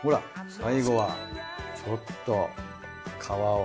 最後はちょっと皮を。